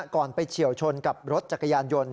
ไปเฉียวชนกับรถจักรยานยนต์